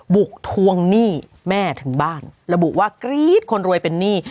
บุกทวงหนี้แม่ถึงบ้านระบุว่ากรี๊ดคนรวยเป็นหนี้